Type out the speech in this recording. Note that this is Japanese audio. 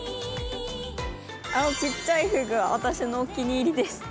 あのちっちゃいフグは私のお気に入りです。